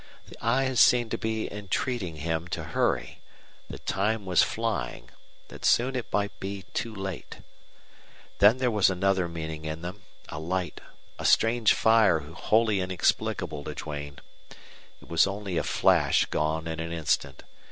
The eyes seemed to be entreating him to hurry, that time was flying, that soon it might be too late. Then there was another meaning in them, a light, a strange fire wholly inexplicable to Duane. It was only a flash gone in an instant.